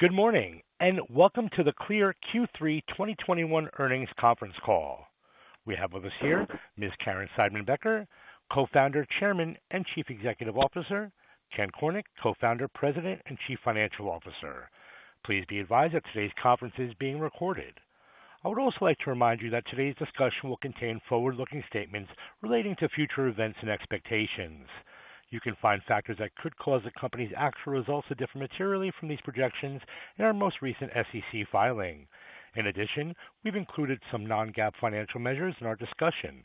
Good morning, and welcome to the CLEAR Q3 2021 earnings conference call. We have with us here Ms. Caryn Seidman-Becker, Co-founder, Chairman, and Chief Executive Officer. Ken Cornick, Co-founder, President, and Chief Financial Officer. Please be advised that today's conference is being recorded. I would also like to remind you that today's discussion will contain forward-looking statements relating to future events and expectations. You can find factors that could cause the company's actual results to differ materially from these projections in our most recent SEC filing. In addition, we've included some non-GAAP financial measures in our discussion.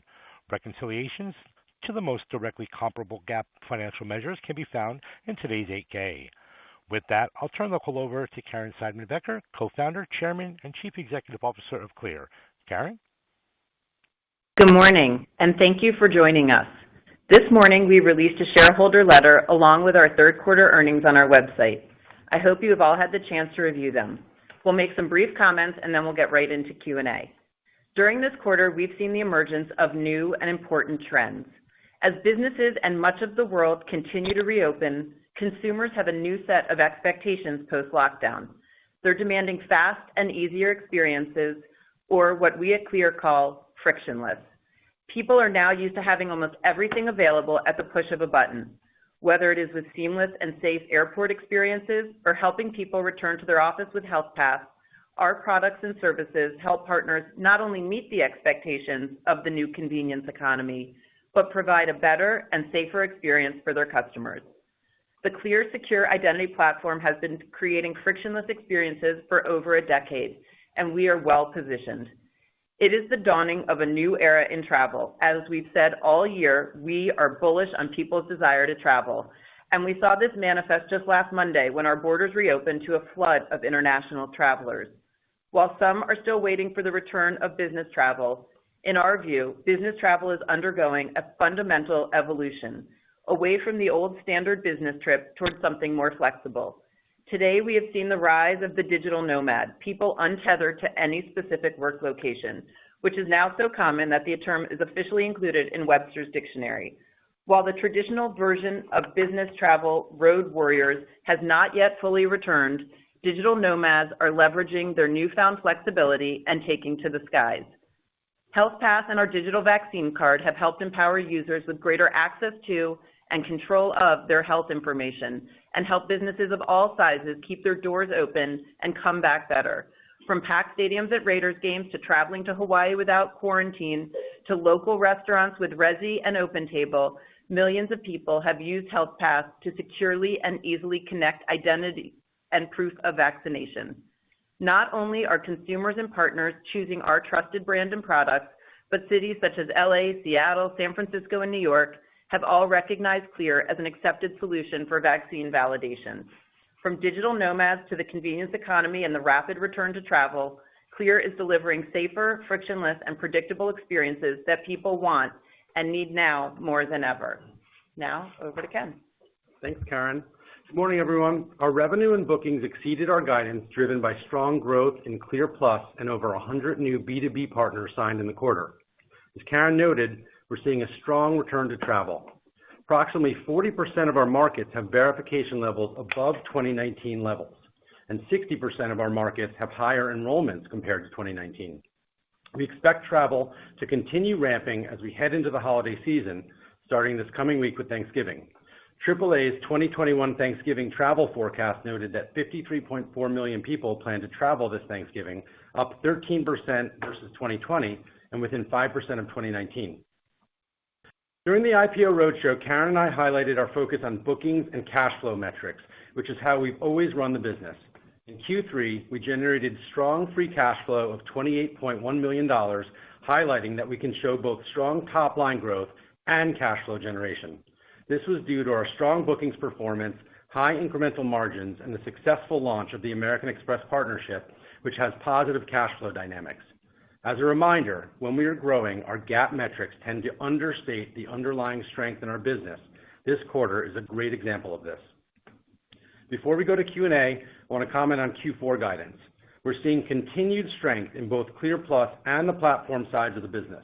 Reconciliations to the most directly comparable GAAP financial measures can be found in today's 8-K. With that, I'll turn the call over to Caryn Seidman-Becker, Co-founder, Chairman, and Chief Executive Officer of CLEAR. Cayn? Good morning, and thank you for joining us. This morning, we released a shareholder letter along with our Q3 earnings on our website. I hope you have all had the chance to review them. We'll make some brief comments, and then we'll get right into Q&A. During this quarter, we've seen the emergence of new and important trends. As businesses and much of the world continue to reopen, consumers have a new set of expectations post-lockdown. They're demanding fast and easier experiences, or what we at CLEAR call frictionless. People are now used to having almost everything available at the push of a button. Whether it is with seamless and safe airport experiences or helping people return to their office with Health Pass, our products and services help partners not only meet the expectations of the new convenience economy, but provide a better and safer experience for their customers. The Clear Secure identity platform has been creating frictionless experiences for over a decade, and we are well positioned. It is the dawning of a new era in travel. As we've said all year, we are bullish on people's desire to travel, and we saw this manifest just last Monday when our borders reopened to a flood of international travelers. While some are still waiting for the return of business travel, in our view, business travel is undergoing a fundamental evolution away from the old standard business trip towards something more flexible. Today, we have seen the rise of the digital nomad, people untethered to any specific work location, which is now so common that the term is officially included in Webster's Dictionary. While the traditional version of business travel road warriors has not yet fully returned, digital nomads are leveraging their newfound flexibility and taking to the skies. Health Pass and our digital vaccine card have helped empower users with greater access to and control of their health information and help businesses of all sizes keep their doors open and come back better. From packed stadiums at Raiders games to traveling to Hawaii without quarantine, to local restaurants with Resy and OpenTable, millions of people have used Health Pass to securely and easily connect identity and proof of vaccination. Not only are consumers and partners choosing our trusted brand and products, but cities such as L.A., Seattle, San Francisco, and New York have all recognized CLEAR as an accepted solution for vaccine validation. From digital nomads to the convenience economy and the rapid return to travel, CLEAR is delivering safer, frictionless, and predictable experiences that people want and need now more than ever. Now over to Ken. Thanks, Karen. Good morning, everyone. Our revenue and bookings exceeded our guidance, driven by strong growth in CLEAR Plus and over 100 new B2B partners signed in the quarter. As Karen noted, we're seeing a strong return to travel. Approximately 40% of our markets have verification levels above 2019 levels, and 60% of our markets have higher enrollments compared to 2019. We expect travel to continue ramping as we head into the holiday season, starting this coming week with Thanksgiving. AAA's 2021 Thanksgiving travel forecast noted that 53.4 million people plan to travel this Thanksgiving, up 13% versus 2020 and within 5% of 2019. During the IPO roadshow, Karen and I highlighted our focus on bookings and cash flow metrics, which is how we've always run the business. In Q3, we generated strong free cash flow of $28.1 million, highlighting that we can show both strong top-line growth and cash flow generation. This was due to our strong bookings performance, high incremental margins, and the successful launch of the American Express partnership, which has positive cash flow dynamics. As a reminder, when we are growing, our GAAP metrics tend to understate the underlying strength in our business. This quarter is a great example of this. Before we go to Q&A, I wanna comment on Q4 guidance. We're seeing continued strength in both CLEAR Plus and the platform sides of the business.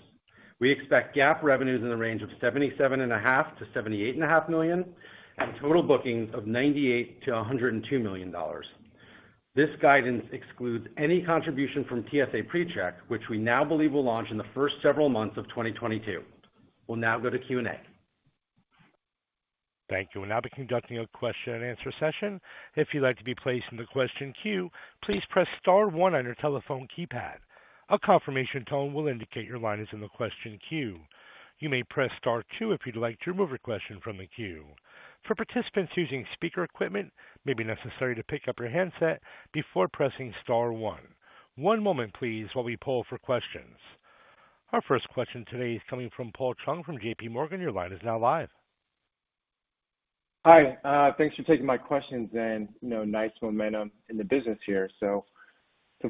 We expect GAAP revenues in the range of $77.5 million-$78.5 million and total bookings of $98 million-$102 million. This guidance excludes any contribution from TSA PreCheck, which we now believe will launch in the first several months of 2022. We'll now go to Q&A. Thank you. We'll now be conducting a question-and-answer session. If you'd like to be placed in the question queue, please press star one on your telephone keypad. A confirmation tone will indicate your line is in the question queue. You may press star two if you'd like to remove a question from the queue. For participants using speaker equipment, it may be necessary to pick up your handset before pressing star one. One moment, please, while we poll for questions. Our first question today is coming from Paul Chung from JPMorgan. Your line is now live. Hi, thanks for taking my questions and, you know, nice momentum in the business here.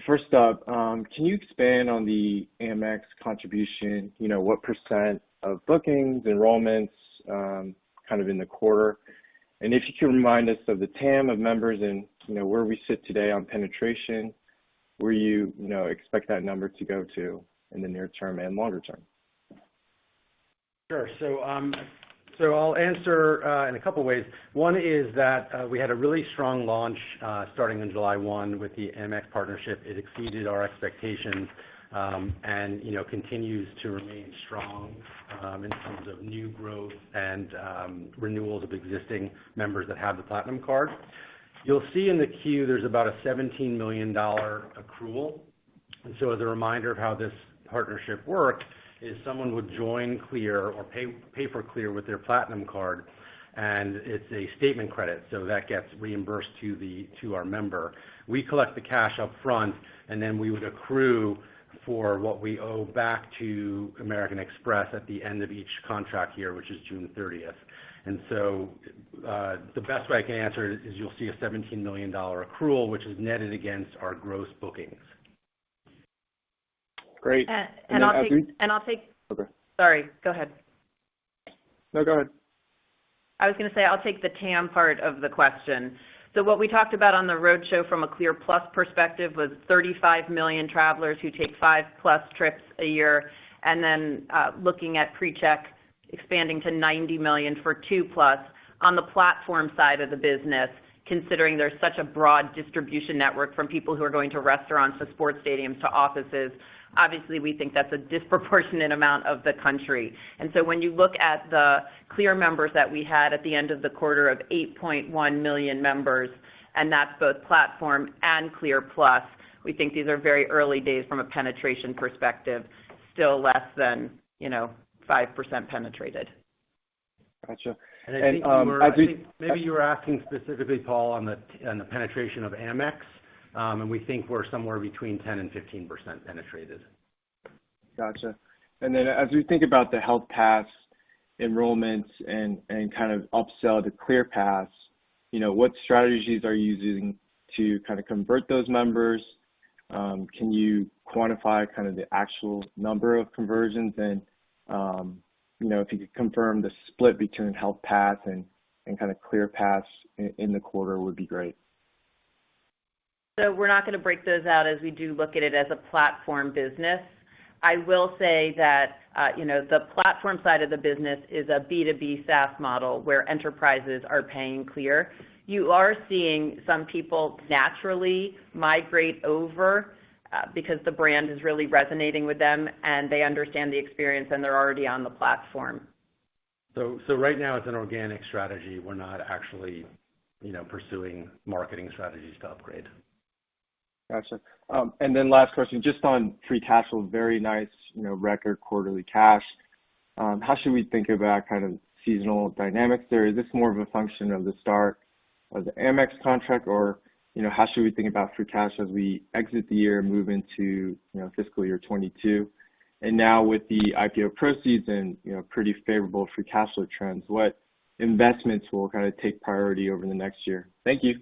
First up, can you expand on the Amex contribution? You know, what % of bookings, enrollments, kind of in the quarter? And if you can remind us of the TAM of members and, you know, where we sit today on penetration, where you know, expect that number to go to in the near term and longer term? Sure. I'll answer in a couple ways. One is that we had a really strong launch starting on July 1 with the Amex partnership. It exceeded our expectations, and you know, continues to remain strong in terms of new growth and renewals of existing members that have the Platinum Card. You'll see in the queue, there's about a $17 million accrual. As a reminder of how this partnership worked is someone would join CLEAR or pay for CLEAR with their Platinum Card, and it's a statement credit, so that gets reimbursed to our member. We collect the cash up front, and then we would accrue for what we owe back to American Express at the end of each contract year, which is June 30. The best way I can answer it is you'll see a $17 million accrual, which is netted against our gross bookings. Great. I'll take. Okay. Sorry, go ahead. No, go ahead. I was gonna say, I'll take the TAM part of the question. What we talked about on the roadshow from a CLEAR Plus perspective was 35 million travelers who take 5+ trips a year, and then looking at PreCheck expanding to 90 million for 2+ on the platform side of the business, considering there's such a broad distribution network from people who are going to restaurants, to sports stadiums, to offices. Obviously, we think that's a disproportionate amount of the country. When you look at the CLEAR members that we had at the end of the quarter of 8.1 million members, and that's both Platform and CLEAR Plus, we think these are very early days from a penetration perspective, still less than, you know, 5% penetrated. Gotcha. I believe. Maybe you were asking specifically, Paul, on the penetration of Amex, and we think we're somewhere between 10% and 15% penetrated. Gotcha. As we think about the Health Pass enrollments and kind of upsell to CLEAR Plus, you know, what strategies are you using to kind of convert those members? Can you quantify kind of the actual number of conversions? You know, if you could confirm the split between Health Pass and kind of CLEAR Plus in the quarter would be great. We're not gonna break those out as we do look at it as a platform business. I will say that, you know, the platform side of the business is a B2B SaaS model where enterprises are paying CLEAR. You are seeing some people naturally migrate over, because the brand is really resonating with them, and they understand the experience, and they're already on the platform. right now it's an organic strategy. We are not actually, you know, pursuing marketing strategies to upgrade. Gotcha. Last question, just on free cash flow, very nice, you know, record quarterly cash. How should we think about kind of seasonal dynamics there? Is this more of a function of the start of the Amex contract or, you know, how should we think about free cash as we exit the year and move into, you know, fiscal year 2022? Now with the IPO proceeds and, you know, pretty favorable free cash flow trends, what investments will kind of take priority over the next year? Thank you.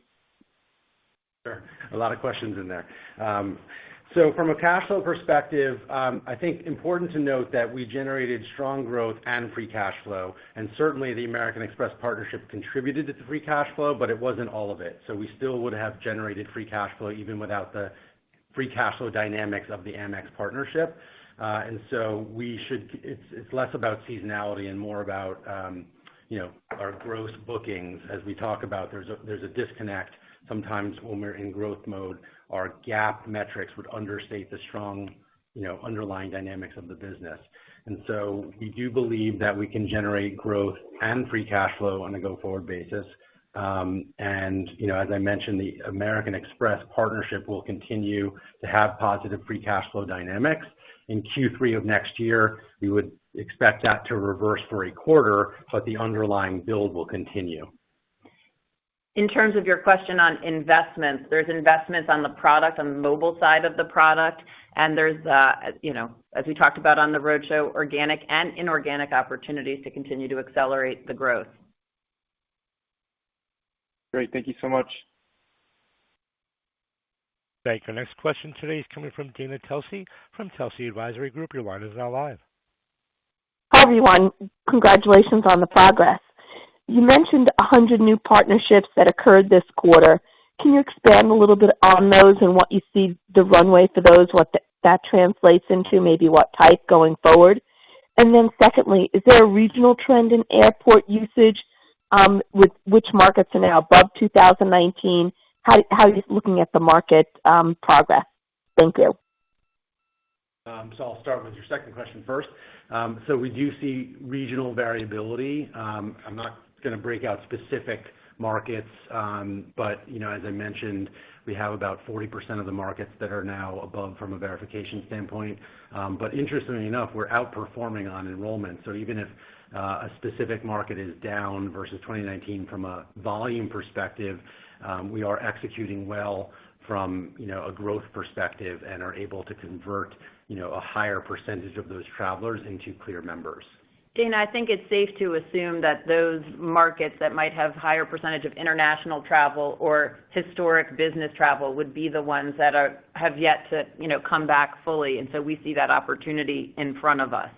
Sure. A lot of questions in there. From a cash flow perspective, I think important to note that we generated strong growth and free cash flow, and certainly the American Express partnership contributed to the free cash flow, but it wasn't all of it. We still would have generated free cash flow even without the free cash flow dynamics of the Amex partnership. It's less about seasonality and more about, you know, our gross bookings. As we talk about, there's a disconnect sometimes when we are in growth mode. Our GAAP metrics would understate the strong, you know, underlying dynamics of the business. We do believe that we can generate growth and free cash flow on a go-forward basis. You know, as I mentioned, the American Express partnership will continue to have positive free cash flow dynamics. In Q3 of next year, we would expect that to reverse for a quarter, but the underlying build will continue. In terms of your question on investments, there's investments on the product, on the mobile side of the product, and there's, you know, as we talked about on the roadshow, organic and inorganic opportunities to continue to accelerate the growth. Great. Thank you so much. Thank you. Next question today is coming from Dana Telsey from Telsey Advisory Group. Your line is now live. Hi, everyone. Congratulations on the progress. You mentioned 100 new partnerships that occurred this quarter. Can you expand a little bit on those and what you see the runway for those, what that translates into, maybe what type going forward? Secondly, is there a regional trend in airport usage with which markets are now above 2019? How are you looking at the market progress? Thank you. I'll start with your second question first. We do see regional variability. I'm not gonna break out specific markets, but, you know, as I mentioned, we have about 40% of the markets that are now above from a verification standpoint. But interestingly enough, we're outperforming on enrollment. Even if a specific market is down versus 2019 from a volume perspective, we are executing well from, you know, a growth perspective and are able to convert, you know, a higher percentage of those travelers into CLEAR members. Dana, I think it's safe to assume that those markets that might have higher percentage of international travel or historic business travel would be the ones that have yet to, you know, come back fully, and so we see that opportunity in front of us.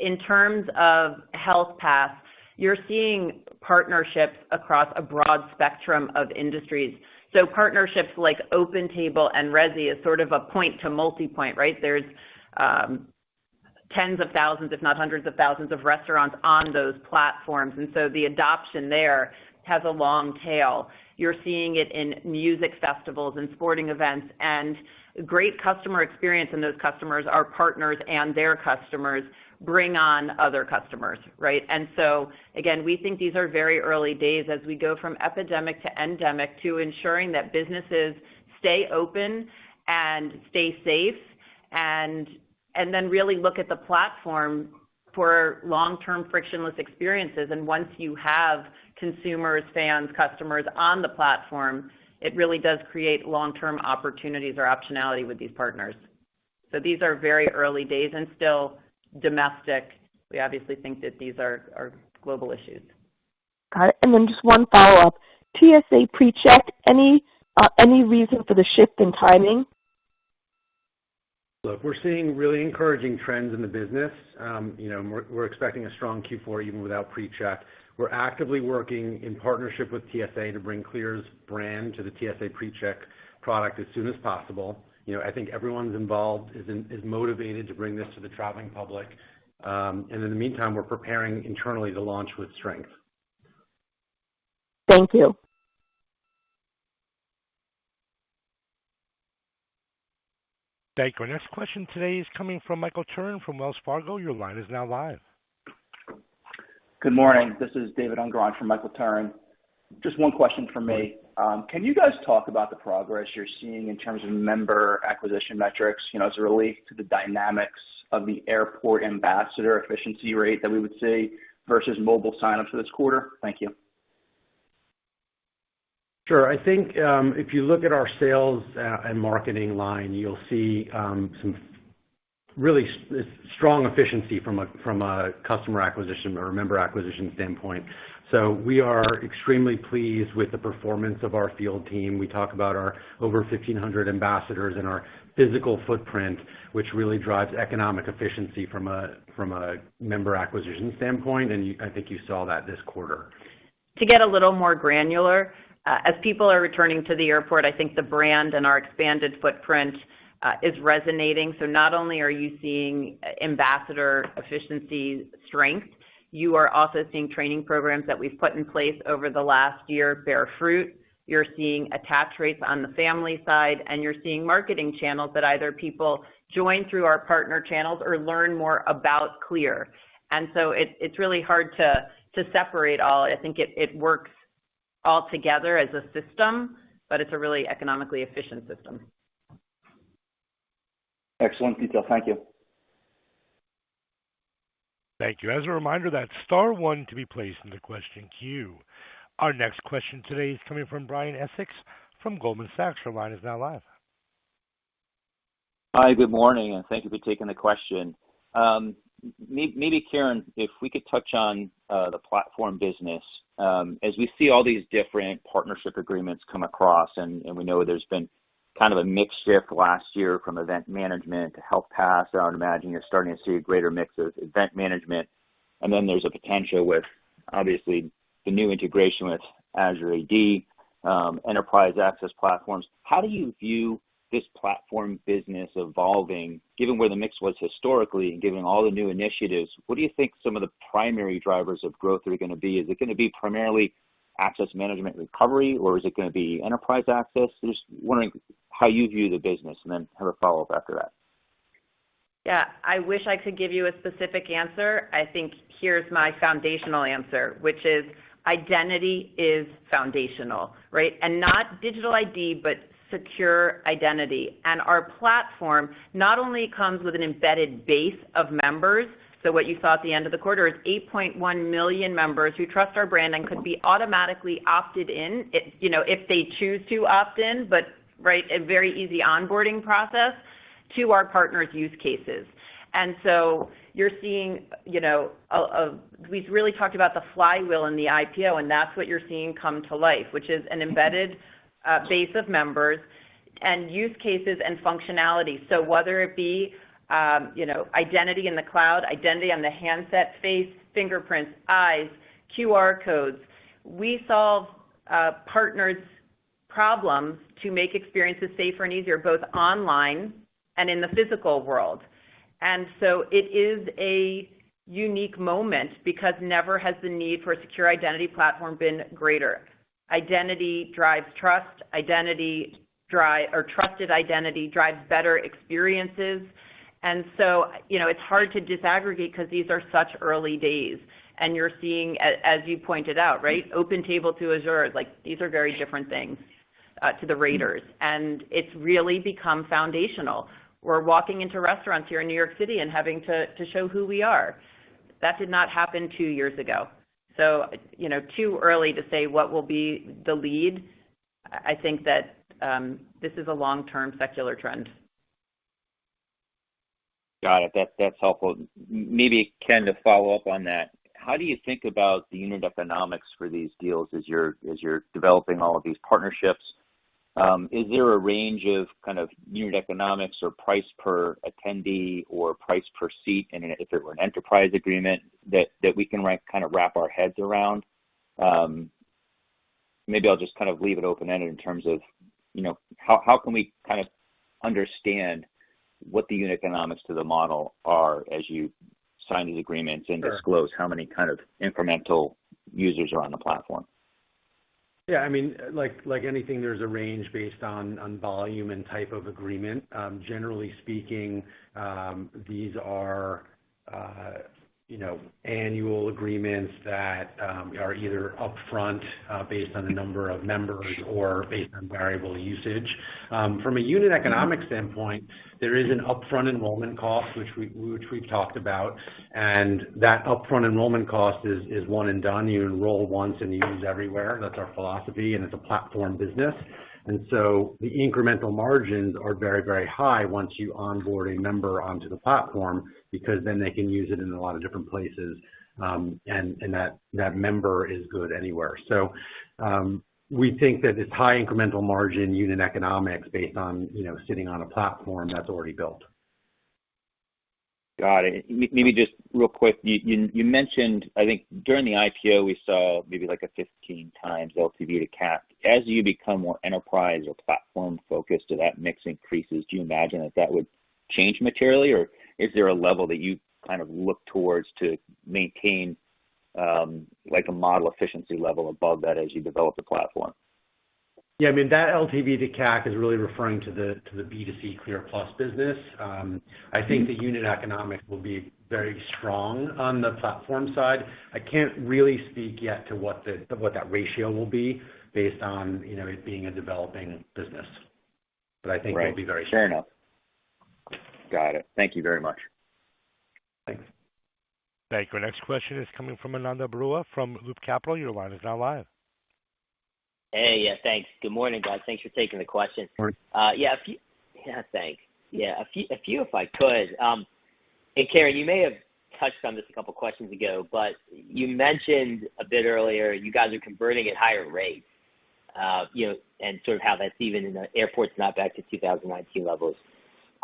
In terms of Health Pass. You're seeing partnerships across a broad spectrum of industries. Partnerships like OpenTable and Resy is sort of a point to multipoint, right? There's tens of thousands, if not hundreds of thousands of restaurants on those platforms. The adoption there has a long tail. You're seeing it in music festivals and sporting events, and great customer experience, and those customers are partners, and their customers bring on other customers, right? Again, we think these are very early days as we go from epidemic to endemic, to ensuring that businesses stay open and stay safe, and then really look at the platform for long-term frictionless experiences. Once you have consumers, fans, customers on the platform, it really does create long-term opportunities or optionality with these partners. These are very early days and still domestic. We obviously think that these are global issues. Got it. Just one follow-up. TSA PreCheck, any reason for the shift in timing? Look, we're seeing really encouraging trends in the business. You know, we're expecting a strong Q4 even without PreCheck. We're actively working in partnership with TSA to bring CLEAR's brand to the TSA PreCheck product as soon as possible. You know, I think everyone involved is motivated to bring this to the traveling public. In the meantime, we're preparing internally to launch with strength. Thank you. Thank you. Our next question today is coming from Michael Turrin from Wells Fargo. Your line is now live. Good morning. This is David Unger from Michael Turrin. Just one question from me. Can you guys talk about the progress you're seeing in terms of member acquisition metrics, you know, as it relates to the dynamics of the airport ambassador efficiency rate that we would see versus mobile sign-ups for this quarter? Thank you. Sure. I think if you look at our sales and marketing line, you'll see some really strong efficiency from a customer acquisition or a member acquisition standpoint. We are extremely pleased with the performance of our field team. We talk about our over 1,500 ambassadors and our physical footprint, which really drives economic efficiency from a member acquisition standpoint, and I think you saw that this quarter. To get a little more granular, as people are returning to the airport, I think the brand and our expanded footprint is resonating. So not only are you seeing ambassador efficiency strength, you are also seeing training programs that we've put in place over the last year bear fruit. You're seeing attach rates on the family side, and you're seeing marketing channels that either people join through our partner channels or learn more about Clear. It's really hard to separate all. I think it works all together as a system, but it's a really economically efficient system. Excellent detail. Thank you. Thank you. As a reminder, that's star one to be placed in the question queue. Our next question today is coming from Brian Essex from Goldman Sachs. Your line is now live. Hi, good morning, and thank you for taking the question. Maybe Caryn, if we could touch on the platform business. As we see all these different partnership agreements come across, and we know there's been kind of a mix shift last year from event management to Health Pass. I would imagine you're starting to see a greater mix of event management. Then there's a potential with, obviously, the new integration with Azure AD, enterprise access platforms. How do you view this platform business evolving, given where the mix was historically, given all the new initiatives, what do you think some of the primary drivers of growth are gonna be? Is it gonna be primarily access management recovery, or is it gonna be enterprise access? Just wondering how you view the business, and then have a follow-up after that. Yeah. I wish I could give you a specific answer. I think here's my foundational answer, which is identity is foundational, right? Not digital ID, but secure identity. Our platform not only comes with an embedded base of members. What you saw at the end of the quarter is 8.1 million members who trust our brand and could be automatically opted in if, you know, if they choose to opt-in, but right, a very easy onboarding process to our partners use cases. You're seeing, you know, we've really talked about the flywheel and the IPO, and that's what you're seeing come to life, which is an embedded base of members and use cases and functionality. Whether it be, you know, identity in the cloud, identity on the handset, face, fingerprints, eyes, QR codes. We solve partners' problems to make experiences safer and easier, both online and in the physical world. It is a unique moment because never has the need for a secure identity platform been greater. Identity drives trust. Or trusted identity drives better experiences. You know, it's hard to disaggregate because these are such early days, and you're seeing, as you pointed out, right, OpenTable to Azure. Like, these are very different things to the Raiders. It's really become foundational. We're walking into restaurants here in New York City and having to show who we are. That did not happen two years ago. You know, too early to say what will be the lead. I think that this is a long-term secular trend. Got it. That's helpful. Maybe, Ken, to follow up on that. How do you think about the unit economics for these deals as you're developing all of these partnerships? Is there a range of kind of unit economics or price per attendee or price per seat, and if it were an enterprise agreement that we can kind of wrap our heads around? Maybe I'll just kind of leave it open-ended in terms of how can we kind of understand what the unit economics to the model are as you sign these agreements? Sure. Disclose how many kind of incremental users are on the platform? Yeah, I mean, like anything, there's a range based on volume and type of agreement. Generally speaking, these are, you know, annual agreements that are either upfront based on the number of members or based on variable usage. From a unit economic standpoint, there is an upfront enrollment cost which we've talked about, and that upfront enrollment cost is one and done. You enroll once, and you use everywhere. That's our philosophy, and it's a platform business. The incremental margins are very, very high once you onboard a member onto the platform, because then they can use it in a lot of different places, and that member is good anywhere. We think that it's high incremental margin unit economics based on, you know, sitting on a platform that's already built. Got it. Maybe just real quick, you mentioned. I think during the IPO we saw maybe like a 15x LTV to CAC. As you become more enterprise or platform focused so that mix increases, do you imagine that would change materially, or is there a level that you kind of look towards to maintain, like a model efficiency level above that as you develop the platform? Yeah, I mean, that LTV to CAC is really referring to the B2C CLEAR Plus business. I think the unit economics will be very strong on the platform side. I can't really speak yet to what that ratio will be based on, you know, it being a developing business. Right. I think it'll be very strong. Fair enough. Got it. Thank you very much. Thanks. Thank you. Our next question is coming from Ananda Baruah from Loop Capital. Your line is now live. Hey, yeah, thanks. Good morning, guys. Thanks for taking the question. Morning. Yeah, thanks. A few if I could. Hey, Caryn, you may have touched on this a couple questions ago, but you mentioned a bit earlier you guys are converting at higher rates, you know, and sort of how that's even in the airport's not back to 2019 levels,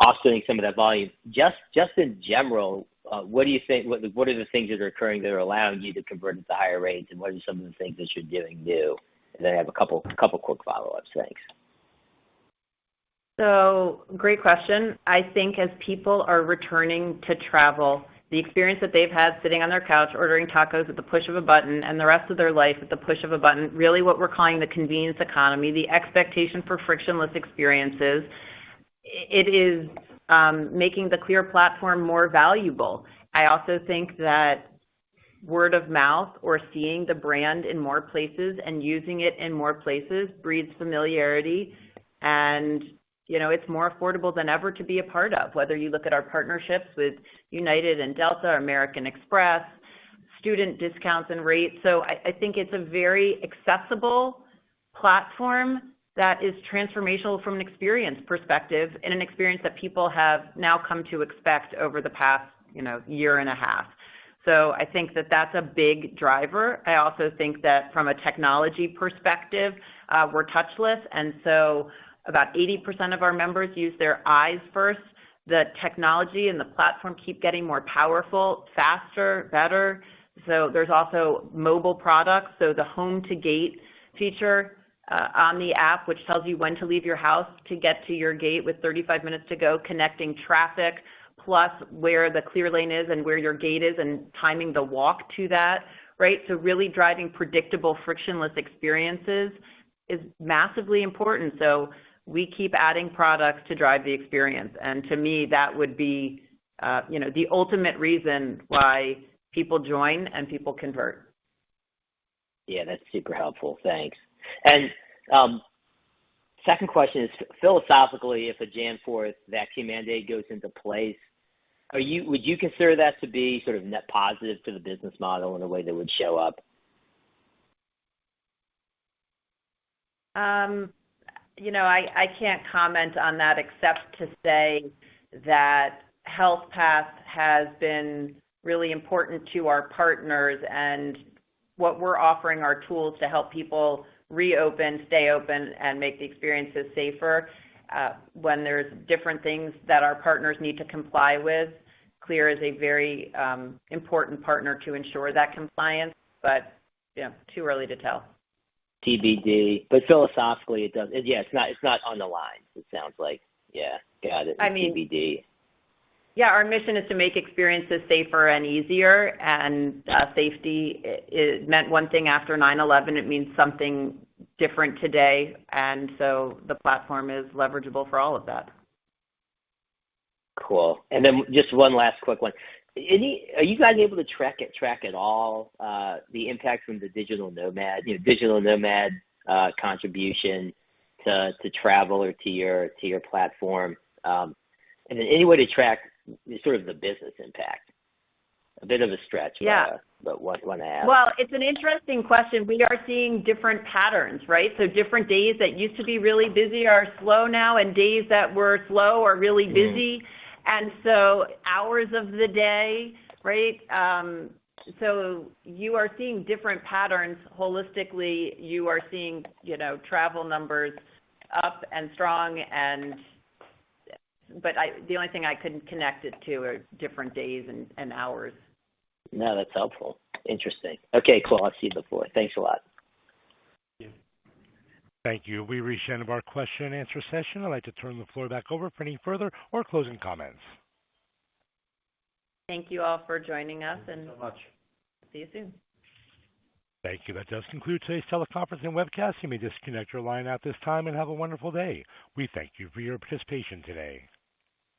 offsetting some of that volume. Just in general, what do you think, what are the things that are occurring that are allowing you to convert into higher rates, and what are some of the things that you're doing new? Then I have a couple quick follow-ups. Thanks. Great question. I think as people are returning to travel, the experience that they've had sitting on their couch, ordering tacos at the push of a button and the rest of their life at the push of a button, really what we're calling the convenience economy, the expectation for frictionless experiences, it is making the CLEAR platform more valuable. I also think that word of mouth or seeing the brand in more places and using it in more places breeds familiarity. You know, it's more affordable than ever to be a part of, whether you look at our partnerships with United and Delta or American Express, student discounts and rates. I think it's a very accessible platform that is transformational from an experience perspective and an experience that people have now come to expect over the past, you know, year and a half. I think that that's a big driver. I also think that from a technology perspective, we're touchless, and so about 80% of our members use their eyes first. The technology and the platform keep getting more powerful, faster, better. There's also mobile products. The home to gate feature on the app, which tells you when to leave your house to get to your gate with 35 minutes to go, connecting traffic plus where the CLEAR lane is and where your gate is and timing the walk to that, right? Really driving predictable, frictionless experiences is massively important. We keep adding products to drive the experience. And to me, that would be, you know, the ultimate reason why people join and people convert. Yeah, that's super helpful. Thanks. Second question is, philosophically, if a January 4th vaccine mandate goes into place, would you consider that to be sort of net positive to the business model in a way that would show up? You know, I can't comment on that except to say that Health Pass has been really important to our partners and what we are offering are tools to help people reopen, stay open, and make the experiences safer. When there's different things that our partners need to comply with, Clear is a very important partner to ensure that compliance. Yeah, too early to tell. TBD. Philosophically it does. Yeah, it's not on the line, it sounds like. Yeah. Got it. I mean. TBD. Yeah, our mission is to make experiences safer and easier. Safety, it meant one thing after 9/11, it means something different today. The platform is leverageable for all of that. Cool. Just one last quick one. Are you guys able to track that at all the impact from the digital nomad, you know, contribution to travel or to your platform? Any way to track sort of the business impact? A bit of a stretch. Yeah. Want to ask. Well, it's an interesting question. We are seeing different patterns, right? Different days that used to be really busy are slow now, and days that were slow are really busy. Mm-hmm. Hours of the day, right? You are seeing different patterns holistically. You are seeing, you know, travel numbers up and strong. The only thing I can connect it to are different days and hours. No, that's helpful. Interesting. Okay, cool. I'll see you the fourth. Thanks a lot. Thank you. Thank you. We've reached the end of our question and answer session. I'd like to turn the floor back over for any further or closing comments. Thank you all for joining us. Thank you so much. See you soon. Thank you. That does conclude today's teleconference and webcast. You may disconnect your line at this time and have a wonderful day. We thank you for your participation today.